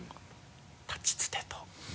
たちつてと。